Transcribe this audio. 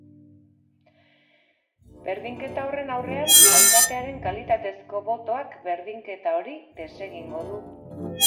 Berdinketa horren aurrean, alkatearen kalitatezko botoak berdinketa hori desegingo du.